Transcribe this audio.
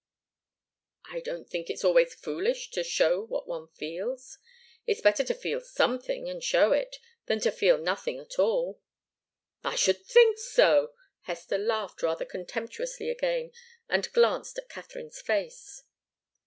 "I don't think it's always foolish to show what one feels. It's better to feel something, and show it, than to feel nothing at all." "I should think so!" Hester laughed rather contemptuously again, and glanced at Katharine's face.